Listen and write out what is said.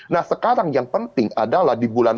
nah sekarang yang penting adalah di bulan